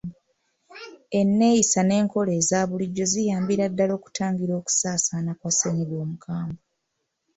Enneeyisa n’enkola eza bulijjo ziyambira ddala okutangira okusaasaana kwa ssennyiga omukambwe.